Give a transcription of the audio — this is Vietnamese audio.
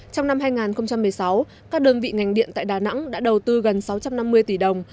trong năm hai nghìn một mươi sáu các đơn vị ngành điện tại đà nẵng đã đầu tư gần sáu trăm năm mươi tỷ đồng